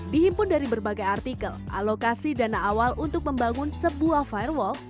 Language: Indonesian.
dihimpun dari berbagai artikel alokasi dana awal untuk membangun sebuah firewalk